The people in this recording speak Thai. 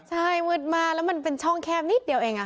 ใช่มืดมากแล้วมันเป็นช่องแคบนิดเดียวเอง